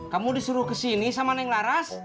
kamu disuruh kesini sama neng laras